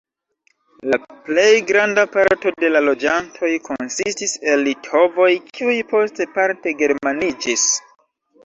La plej granda parto de la loĝantoj konsistis el litovoj, kiuj poste parte germaniĝis.